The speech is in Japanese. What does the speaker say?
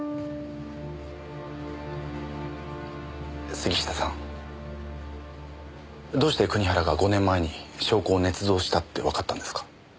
杉下さんどうして国原が５年前に証拠を捏造したってわかったんですか？